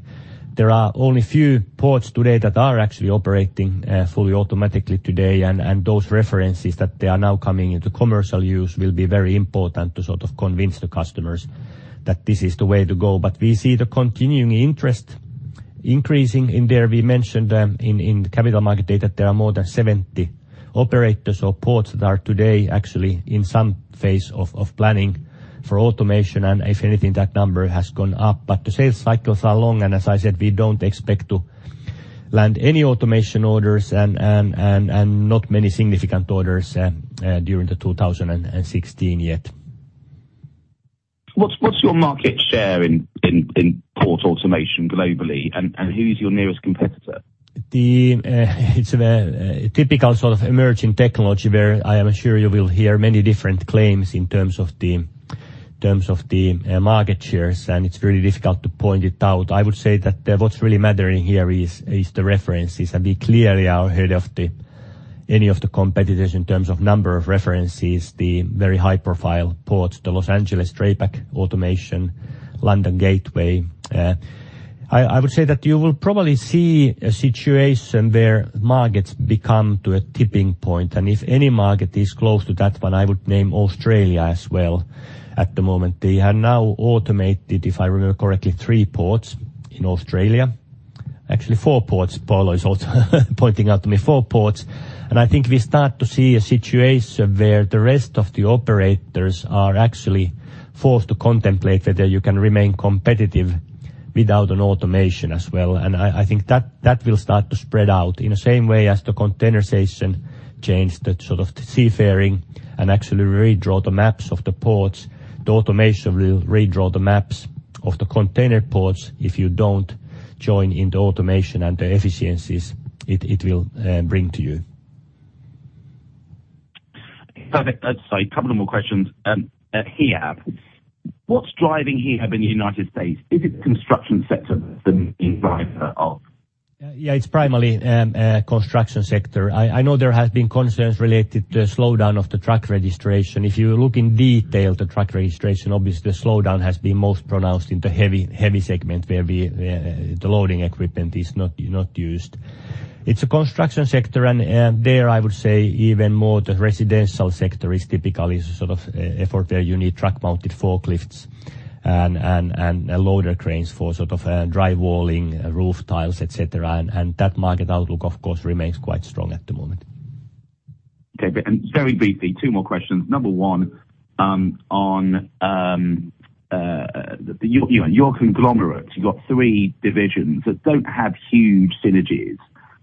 There are only few ports today that are actually operating fully automatically today, and those references that they are now coming into commercial use will be very important to sort of convince the customers that this is the way to go. We see the continuing interest increasing in there. We mentioned them in capital market data, there are more than 70 operators or ports that are today actually in some phase of planning for automation and if anything, that number has gone up. The sales cycles are long, and as I said, we don't expect to land any automation orders and not many significant orders, during 2016 yet. What's your market share in port automation globally and who is your nearest competitor? The, it's a very typical sort of emerging technology where I am sure you will hear many different claims in terms of the market shares, it's really difficult to point it out. I would say that what's really mattering here is the references. We clearly are ahead of the any of the competitors in terms of number of references, the very high-profile ports, the Los Angeles TraPac automation, London Gateway. I would say that you will probably see a situation where markets become to a tipping point. If any market is close to that one, I would name Australia as well at the moment. They have now automated, if I remember correctly, three ports in Australia. Actually four ports. Paula is also pointing out to me, four ports. I think we start to see a situation where the rest of the operators are actually forced to contemplate whether you can remain competitive without an automation as well. I think that will start to spread out. In the same way as the containerization changed the sort of the seafaring and actually redraw the maps of the ports, the automation will redraw the maps of the container ports if you don't join in the automation and the efficiencies it will bring to you. Sorry, a couple of more questions. Hiab. What's driving Hiab in the United States? Is it construction sector the main driver of? It's primarily construction sector. I know there has been concerns related to the slowdown of the truck registration. If you look in detail, the truck registration, obviously the slowdown has been most pronounced in the heavy segment where we the loading equipment is not used. It's a construction sector and there I would say even more the residential sector is typically sort of effort where you need truck-mounted forklifts and loader cranes for sort of dry walling, roof tiles, et cetera. That market outlook, of course, remains quite strong at the moment. Okay. very briefly, two more questions. Number one, on you and your conglomerate, you've got three divisions that don't have huge synergies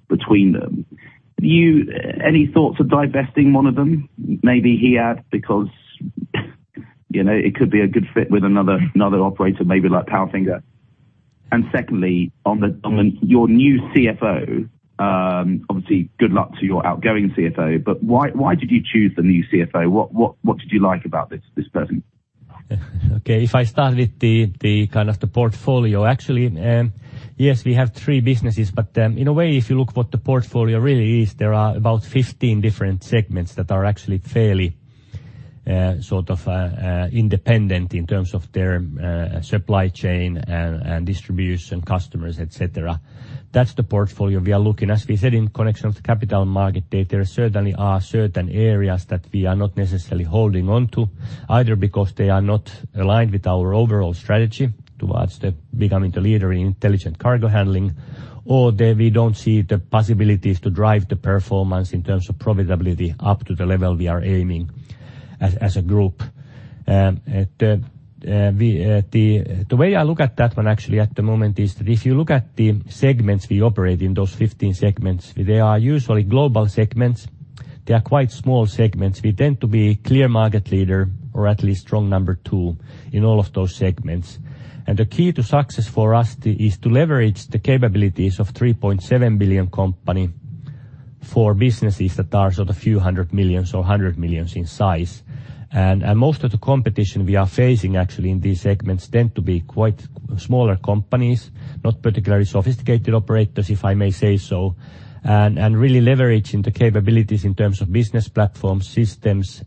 between them. Any thoughts of divesting one of them? Maybe Hiab because, you know, it could be a good fit with another operator, maybe like PALFINGER. Secondly, on your new CFO, obviously, good luck to your outgoing CFO, why did you choose the new CFO? What did you like about this person? Okay. If I start with the kind of the portfolio. Actually, yes, we have three businesses, but in a way, if you look what the portfolio really is, there are about 15 different segments that are actually fairly, sort of, independent in terms of their, supply chain and distribution customers, et cetera. That's the portfolio we are looking. As we said in connection with the Capital Markets Day, there certainly are certain areas that we are not necessarily holding on to, either because they are not aligned with our overall strategy towards the becoming the leader in intelligent cargo handling, or that we don't see the possibilities to drive the performance in terms of profitability up to the level we are aiming as a group. The way I look at that one actually at the moment is if you look at the segments we operate in, those 15 segments, they are usually global segments. They are quite small segments. We tend to be clear market leader or at least strong number two in all of those segments. The key to success for us is to leverage the capabilities of 3.7 billion company for businesses that are sort of few hundred millions EUR or hundred millions EUR in size. Most of the competition we are facing actually in these segments tend to be quite smaller companies, not particularly sophisticated operators, if I may say so, and really leveraging the capabilities in terms of business platform systems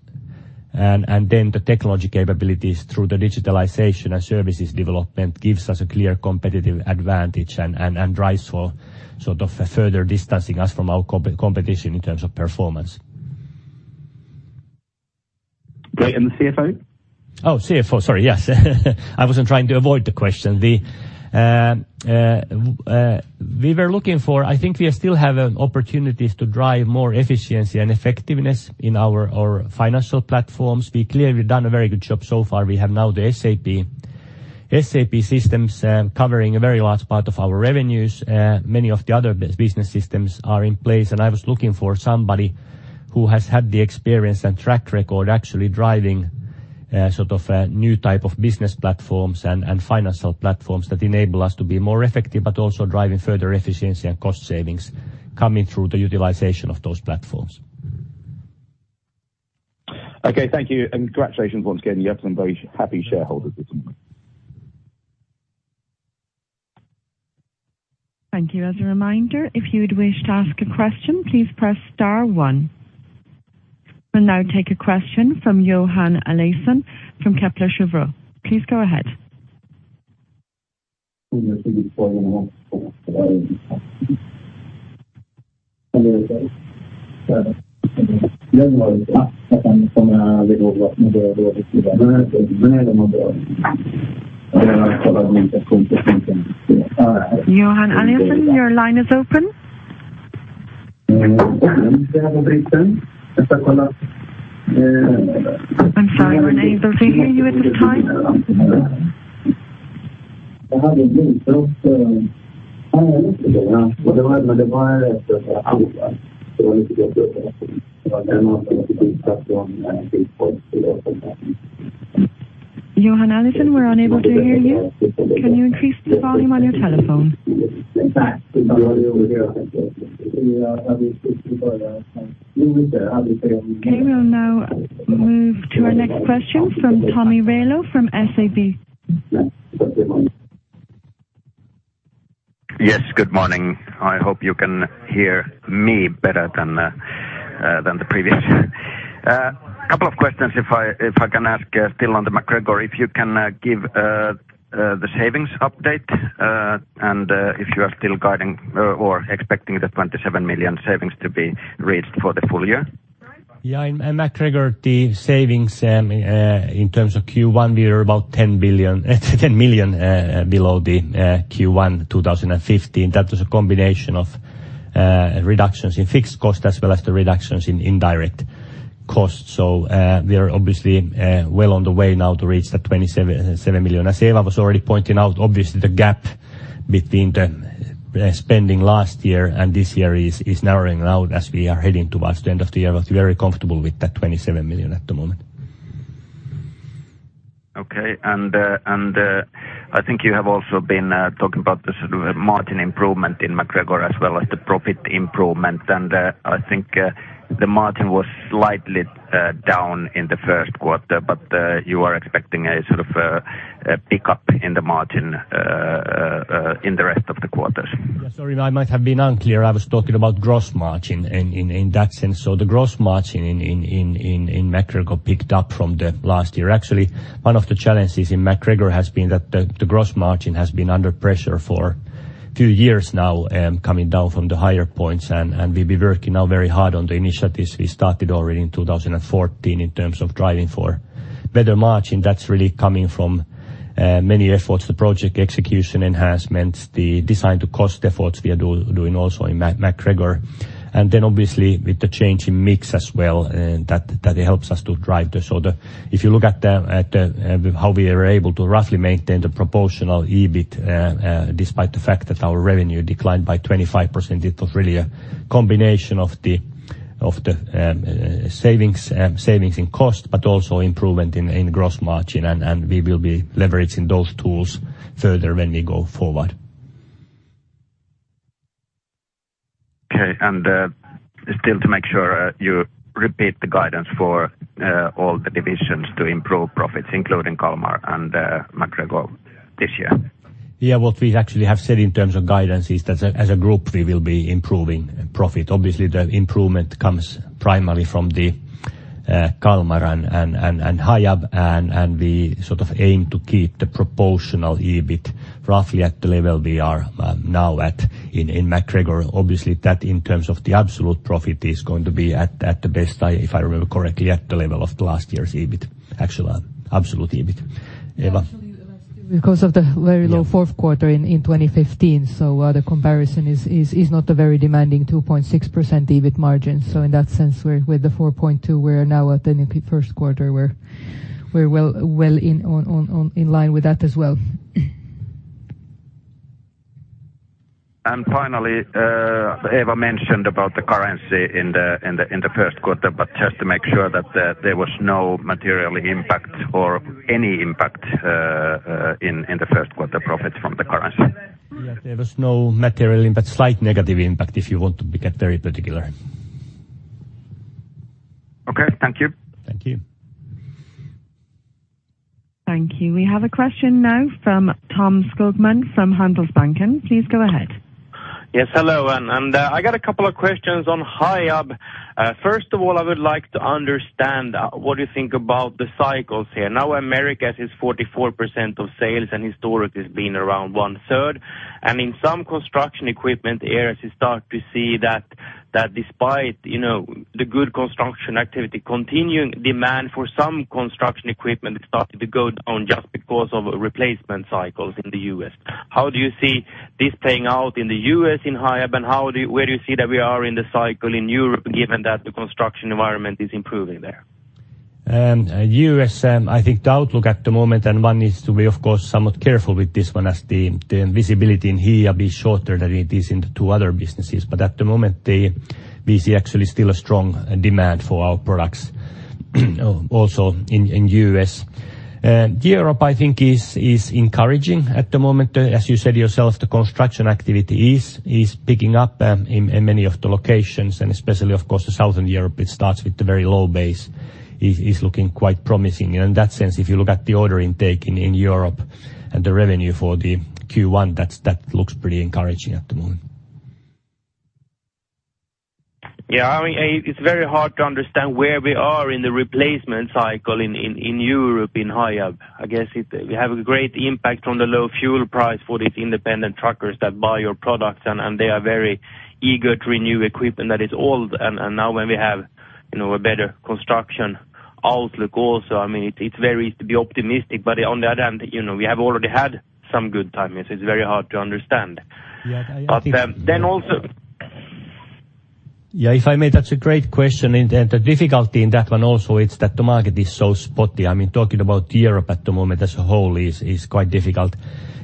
and then the technology capabilities through the digitalization and services development gives us a clear competitive advantage and drives for sort of further distancing us from our competition in terms of performance. Great. The CFO? CFO. Sorry, yes. I wasn't trying to avoid the question. we were looking for... I think we still have an opportunities to drive more efficiency and effectiveness in our financial platforms. We clearly done a very good job so far. We have now the SAP systems covering a very large part of our revenues. Many of the other business systems are in place. I was looking for somebody who has had the experience and track record actually driving sort of new type of business platforms and financial platforms that enable us to be more effective, but also driving further efficiency and cost savings coming through the utilization of those platforms. Okay, thank you, and congratulations once again. You have some very happy shareholders this morning. Thank you. As a reminder, if you would wish to ask a question, please press star one. We'll now take a question from Johan Eliason from Kepler Cheuvreux. Please go ahead. Johan Eliason, your line is open. I'm sorry, Rene, don't they hear you at this time? Johan Eliason, we're unable to hear you. Can you increase the volume on your telephone? Okay, we'll now move to our next question from Tomi Railo from SEB. Yes, good morning. I hope you can hear me better than the previous. A couple of questions if I can ask still on the MacGregor. If you can give the savings update and if you are still guiding or expecting the 27 million savings to be reached for the full year. Yeah. In MacGregor, the savings, in terms of Q1, we are about 10 million below the Q1 2015. That was a combination of reductions in fixed costs as well as the reductions in indirect costs. We are obviously well on the way now to reach the 27.7 million. As Eeva was already pointing out, obviously the gap between the spending last year and this year is narrowing out as we are heading towards the end of the year. I was very comfortable with that 27 million at the moment. Okay. The, I think you have also been talking about the sort of margin improvement in MacGregor as well as the profit improvement. I think the margin was slightly down in the first quarter, but you are expecting a sort of pick up in the margin in the rest of the quarters. Yeah, sorry, I might have been unclear. I was talking about gross margin in that sense. The gross margin in MacGregor picked up from the last year. One of the challenges in MacGregor has been that the gross margin has been under pressure for two years now, coming down from the higher points and we've been working now very hard on the initiatives we started already in 2014 in terms of driving for better margin. That's really coming from many efforts, the project execution enhancements, the design-to-cost efforts we are doing also in MacGregor. Then obviously with the change in mix as well, that helps us to drive this. The... If you look at the how we are able to roughly maintain the proportional EBIT, despite the fact that our revenue declined by 25%, it was really a combination of the savings in cost, but also improvement in gross margin. We will be leveraging those tools further when we go forward. Okay. Still to make sure, you repeat the guidance for all the divisions to improve profits, including Kalmar and MacGregor this year. Yeah. What we actually have said in terms of guidance is that as a group, we will be improving profit. Obviously, the improvement comes primarily from the Kalmar and Hiab, and we sort of aim to keep the proportional EBIT roughly at the level we are now at in MacGregor. Obviously, that in terms of the absolute profit is going to be at the best if I remember correctly, at the level of last year's EBIT, actual absolute EBIT. Eeva? Yeah, actually, because of the very low Q4 in 2015. The comparison is not a very demanding 2.6% EBIT margin. In that sense, we're with the 4.2%, we're now at the first quarter, we're well in line with that as well. Finally, Eeva mentioned about the currency in the Q1, but just to make sure that there was no material impact or any impact in the Q1 profits from the currency. Yeah. There was no material impact. Slight negative impact, if you want to get very particular. Okay. Thank you. Thank you. Thank you. We have a question now from Tom Skogman from Handelsbanken. Please go ahead. Yes, hello. I got a couple of questions on Hiab. First of all, I would like to understand what you think about the cycles here. Now, Americas is 44% of sales, and historically it's been around one-third. In some construction equipment areas, you start to see that despite, you know, the good construction activity, continuing demand for some construction equipment is starting to go down just because of replacement cycles in the U.S. Where do you see that we are in the cycle in Europe, given that the construction environment is improving there? U.S., I think the outlook at the moment, One is to be of course, somewhat careful with this one as the visibility in here be shorter than it is in the two other businesses. At the moment, we see actually still a strong demand for our products, also in U.S. Europe, I think is encouraging at the moment. As you said yourself, the construction activity is picking up in many of the locations, and especially of course, Southern Europe, it starts with the very low base, is looking quite promising. In that sense, if you look at the order intake in Europe and the revenue for the Q1, that looks pretty encouraging at the moment. I mean, it's very hard to understand where we are in the replacement cycle in Europe in Hiab. I guess it, we have a great impact on the low fuel price for these independent truckers that buy your products. They are very eager to renew equipment that is old. Now when we have, you know, a better construction outlook also, I mean it's very easy to be optimistic. On the other hand, you know, we have already had some good times. It's very hard to understand. Yeah, I think- Then also... Yeah, if I may, that's a great question. The difficulty in that one also it's that the market is so spotty. I mean, talking about Europe at the moment as a whole is quite difficult.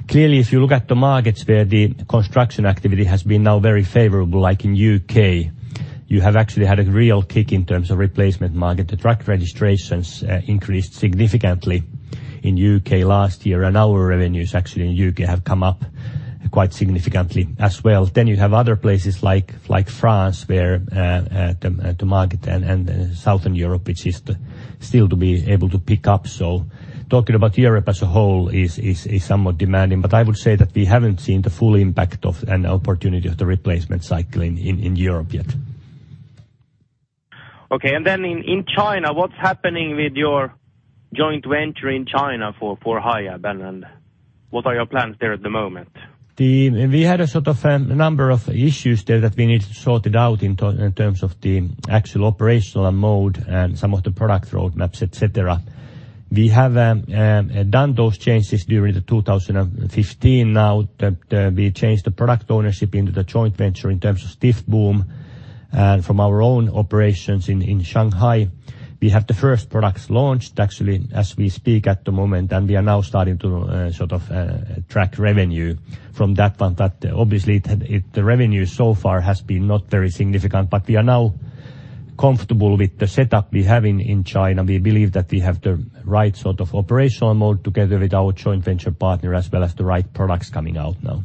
Clearly, if you look at the markets where the construction activity has been now very favorable, like in U.K., you have actually had a real kick in terms of replacement market. The truck registrations increased significantly in U.K. last year, and our revenues actually in U.K. have come up quite significantly as well. You have other places like France, where the market and Southern Europe, which is the still to be able to pick up. Talking about Europe as a whole is somewhat demanding, but I would say that we haven't seen the full impact of an opportunity of the replacement cycle in Europe yet. Okay. In China, what's happening with your joint venture in China for Hiab, and what are your plans there at the moment? We had a sort of number of issues there that we needed to sort it out in terms of the actual operational mode and some of the product roadmaps, et cetera. We have done those changes during 2015. We changed the product ownership into the joint venture in terms of stiff boom, and from our own operations in Shanghai. We have the first products launched actually as we speak at the moment, and we are now starting to sort of track revenue from that one. Obviously the revenue so far has been not very significant, but we are now comfortable with the setup we have in China. We believe that we have the right sort of operational mode together with our joint venture partner, as well as the right products coming out now.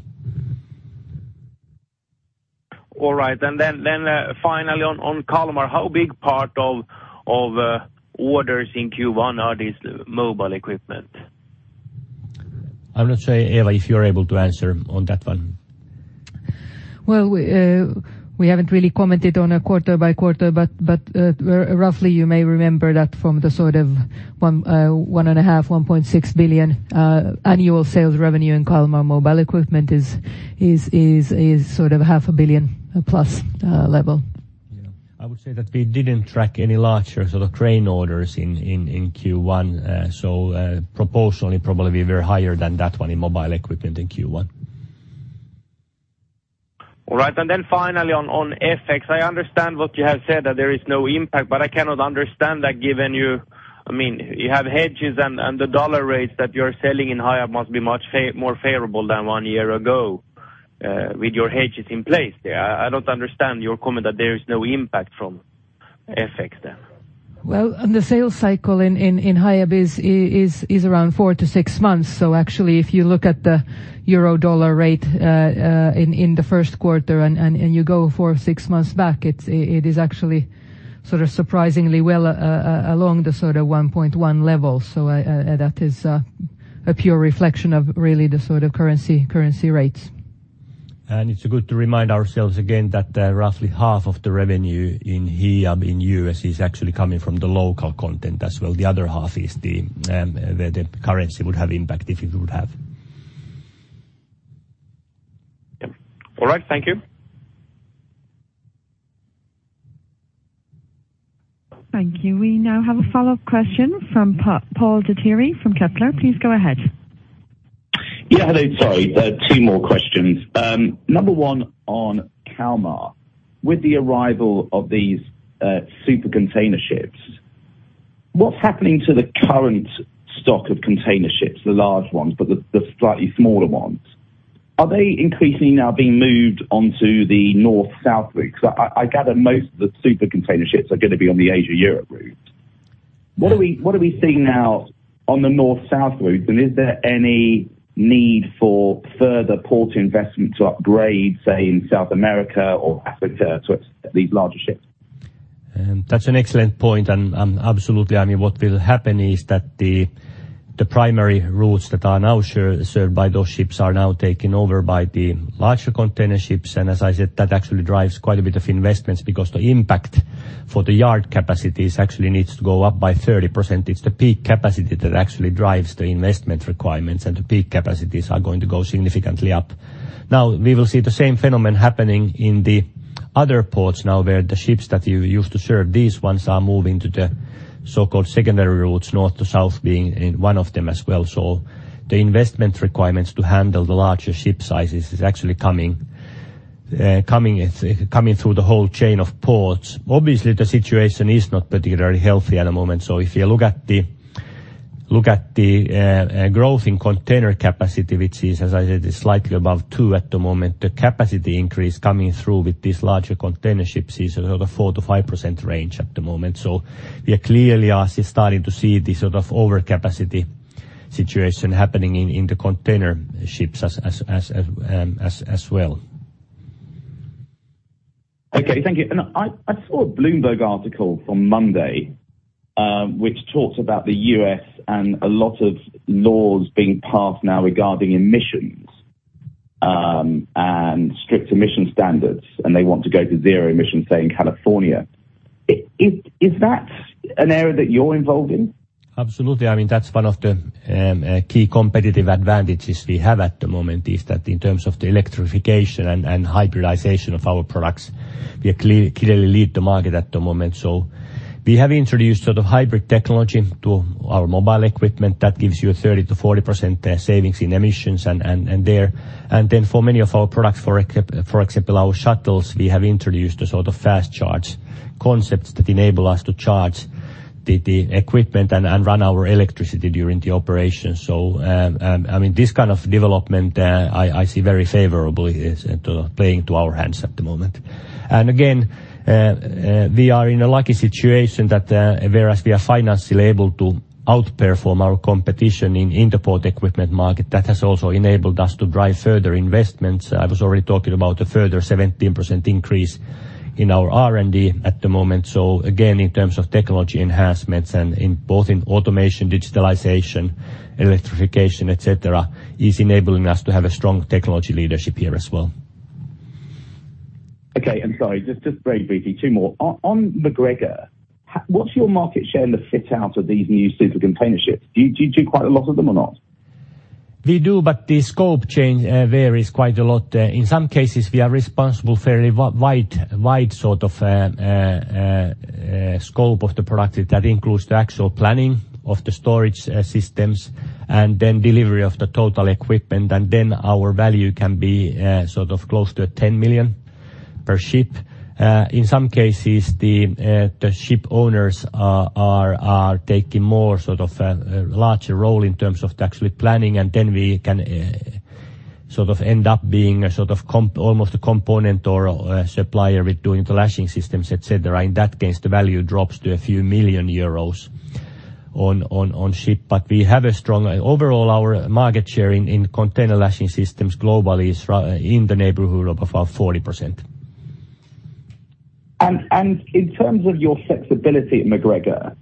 All right. Then, finally on Kalmar, how big part of orders in Q1 are this mobile equipment? I'm gonna say, Eeva, if you're able to answer on that one. Well, we haven't really commented on a quarter-by-quarter, but roughly, you may remember that from the sort of 1.5 billion-1.6 billion annual sales revenue in Kalmar mobile equipment is sort of 500,000,000+ level. Yeah. I would say that we didn't track any larger sort of crane orders in, in Q1. Proportionally probably we're higher than that one in mobile equipment in Q1. Finally on FX. I understand what you have said that there is no impact, but I cannot understand that given you. I mean, you have hedges and the dollar rates that you're selling in Hiab must be much more favorable than one year ago with your hedges in place. I don't understand your comment that there is no impact from FX then. The sales cycle in Hiab is around four to six months. Actually if you look at the euro-dollar rate in the Q1 and you go four or six months back, it is actually sort of surprisingly well along the sort of 1.1 level. I that is a pure reflection of really the sort of currency rates. It's good to remind ourselves again that, roughly half of the revenue in Hiab in U.S. is actually coming from the local content as well. The other half is the, where the currency would have impact if it would have. Yep. All right. Thank you. Thank you. We now have a follow-up question from Paul de Drée from Kepler. Please go ahead. Yeah. Hello. Sorry. two more questions. number one on Kalmar. With the arrival of these, super container ships, what's happening to the current stock of container ships, the large ones, but the slightly smaller ones? Are they increasingly now being moved onto the North-South route? 'Cause I gather most of the super container ships are gonna be on the Asia-Europe route. What are we seeing now on the North-South route, and is there any need for further port investment to upgrade, say, in South America or Africa to these larger ships? That's an excellent point and absolutely. I mean, what will happen is that the primary routes that are now served by those ships are now taken over by the larger container ships. As I said, that actually drives quite a bit of investments because the impact for the yard capacities actually needs to go up by 30%. It's the peak capacity that actually drives the investment requirements, and the peak capacities are going to go significantly up. We will see the same phenomenon happening in the other ports now, where the ships that you used to serve, these ones are moving to the so-called secondary routes, North to South being in one of them as well. The investment requirements to handle the larger ship sizes is actually coming through the whole chain of ports. Obviously, the situation is not particularly healthy at the moment. If you look at the, look at the growth in container capacity, which is, as I said, is slightly above two at the moment, the capacity increase coming through with these larger container ships is sort of a 4%-5% range at the moment. We clearly are starting to see the sort of overcapacity situation happening in the container ships as well. Okay. Thank you. I saw a Bloomberg article from Monday, which talks about the U.S. and a lot of laws being passed now regarding emissions, and strict emission standards, and they want to go to zero emissions, say, in California. Is that an area that you're involved in? Absolutely. I mean, that's one of the key competitive advantages we have at the moment, is that in terms of the electrification and hybridization of our products, we clearly lead the market at the moment. We have introduced sort of hybrid technology to our mobile equipment that gives you a 30%-40% savings in emissions and there. For many of our products, for example, our shuttles, we have introduced a sort of fast charge concepts that enable us to charge the equipment and run our electricity during the operation. I mean, this kind of development, I see very favorably is playing to our hands at the moment. Again, we are in a lucky situation that, whereas we are financially able to outperform our competition in interport equipment market, that has also enabled us to drive further investments. I was already talking about a further 17% increase in our R&D at the moment. Again, in terms of technology enhancements and in both in automation, digitalization, electrification, et cetera, is enabling us to have a strong technology leadership here as well. Okay. Sorry, just very briefly, two more. On MacGregor, what's your market share in the fit out of these new super container ships? Do you do quite a lot of them or not? We do. The scope change varies quite a lot. In some cases, we are responsible fairly wide sort of scope of the product that includes the actual planning of the storage systems and then delivery of the total equipment. Our value can be sort of close to 10 million per ship. In some cases, the ship owners are taking more sort of larger role in terms of the actually planning. We can sort of end up being a sort of almost a component or a supplier with doing the lashing systems, et cetera. In that case, the value drops to a few million euros on ship. We have a strong... Overall, our market share in container lashing systems globally is in the neighborhood of about 40%. In terms of your flexibility at MacGregor,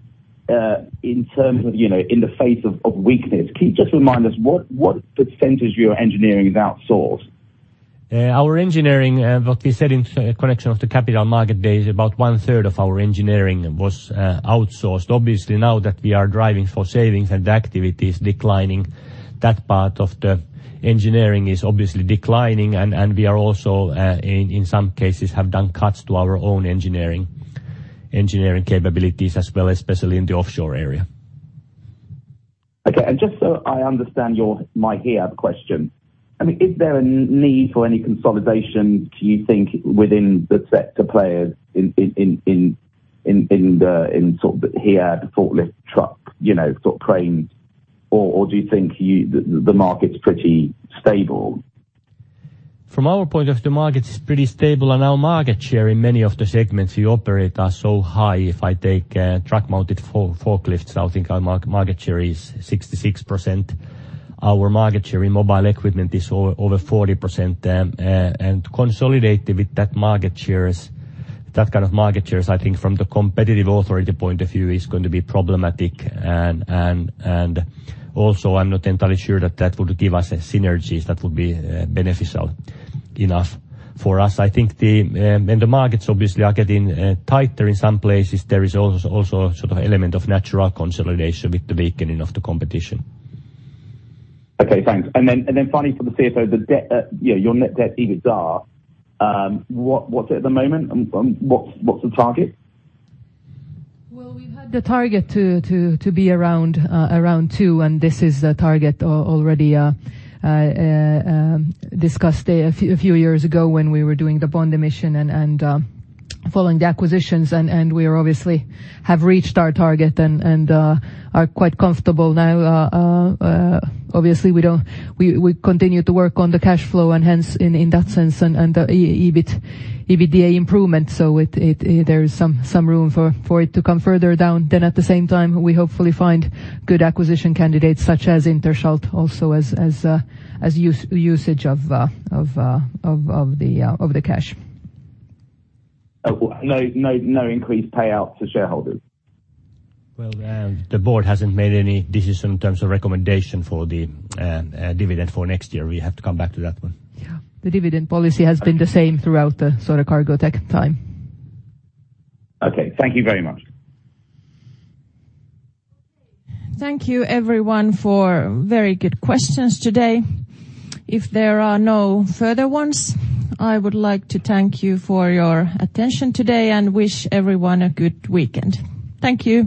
in terms of, you know, in the face of weakness, can you just remind us what percentage of your engineering is outsourced? Our engineering, what we said in connection of the Capital Markets Day is about 1/3 of our engineering was outsourced. Obviously, now that we are driving for savings and the activity is declining, that part of the engineering is obviously declining. We are also, in some cases, have done cuts to our own engineering capabilities as well, especially in the offshore area. Okay. Just so I understand my hear question, I mean, is there a need for any consolidation, do you think, within the sector players in the sort of the Hiab, the forklift truck, you know, sort of cranes? Or do you think the market's pretty stable? From our point of the market is pretty stable and our market share in many of the segments we operate are so high. If I take truck-mounted forklifts, I think our market share is 66%. Our market share in mobile equipment is over 40%. Consolidated with that market shares, that kind of market shares, I mean, I think from the competitive authority point of view is going to be problematic and also, I'm not entirely sure that that would give us a synergies that would be beneficial enough for us. I think the markets obviously are getting tighter in some places. There is also a sort of element of natural consolidation with the weakening of the competition. Okay, thanks. Then finally for the CFO, yeah, your net debt, EBITDA, what's it at the moment and what's the target? We've had the target to be around two. This is the target already discussed a few years ago when we were doing the bond emission and following the acquisitions. And we are obviously have reached our target and are quite comfortable now. Obviously we continue to work on the cash flow and hence in that sense and EBITDA improvement. There is some room for it to come further down. At the same time, we hopefully find good acquisition candidates such as Interschalt also as usage of the cash. Oh. No, no increased payout to shareholders? Well, the board hasn't made any decision in terms of recommendation for the dividend for next year. We have to come back to that one. Yeah. The dividend policy has been the same throughout the sort of Cargotec time. Okay. Thank you very much. Thank you everyone for very good questions today. If there are no further ones, I would like to thank you for your attention today and wish everyone a good weekend. Thank you.